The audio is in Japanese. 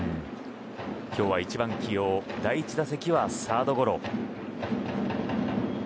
今日は１番起用第１打席はサードゴロ。